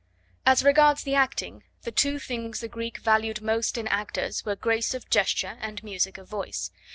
As regards the acting, the two things the Greeks valued most in actors were grace of gesture and music of voice.